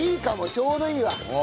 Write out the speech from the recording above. ちょうどいいわ。